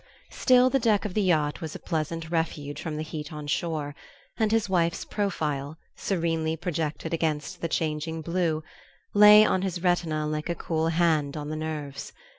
Still, the deck of the yacht was a pleasant refuge from the heat on shore, and his wife's profile, serenely projected against the changing blue, lay on his retina like a cool hand on the nerves.